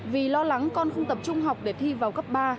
vì lo lắng con không tập trung học để thi vào cấp ba